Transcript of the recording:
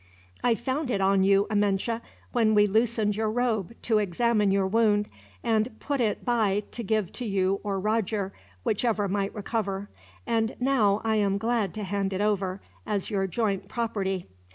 "I found it on you, Amenche, when we loosened your robe to examine your wound; and put it by to give to you or Roger, whichever might recover; and now I am glad to hand it over, as your joint property.